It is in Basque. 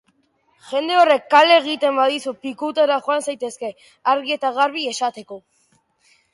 Jende horrek kale egiten badizu pikutara joan zaitezke, argi eta garbi esateko.